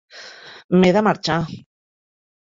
M'he de marxar.